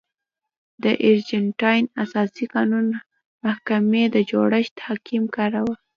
د ارجنټاین اساسي قانون محکمې د جوړښت حکم کاوه.